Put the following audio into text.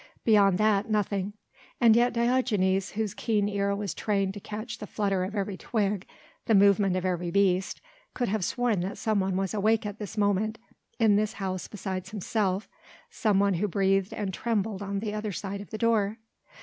Beyond that, nothing. And yet Diogenes, whose keen ear was trained to catch the flutter of every twig, the movement of every beast, could have sworn that someone was awake at this moment, in this house besides himself someone who breathed and trembled on the other side of the door.